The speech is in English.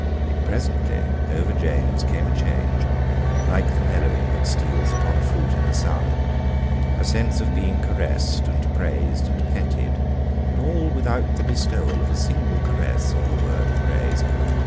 Presently, over James came a change, like the mellowing that steals upon a fruit in the sun; a sense of being caressed, and praised, and petted, and all without the bestowal of a single caress or word of praise.